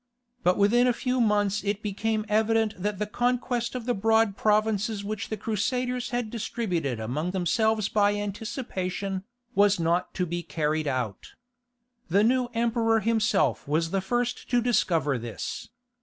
But within a few months it became evident that the conquest of the broad provinces which the Crusaders had distributed among themselves by anticipation, was not to be carried out. The new emperor himself was the first to discover this.